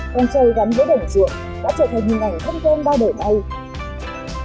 con trâu gắn với đồng ruộng đã trở thành hình ảnh thân thương ba đời này